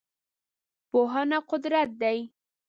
پوهنه قدرت دی.